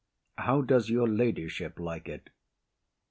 How does your ladyship like it?